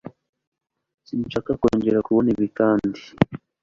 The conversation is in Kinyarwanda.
Sinshaka kongera kubona ibi kandi.